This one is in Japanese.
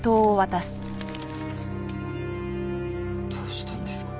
どうしたんですか？